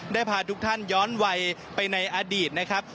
ได้พาทุกท่านย้อนวัยไปในอดีตนะครับ